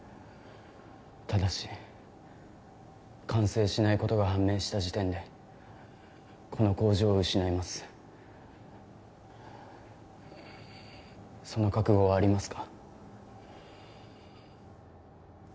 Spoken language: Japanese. ただし完成しないことが判明した時点でこの工場を失いますその覚悟はありますか？